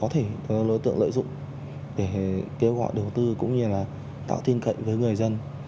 thì đối tượng lợi dụng để kêu gọi đầu tư cũng như là tạo tin cậy với người dân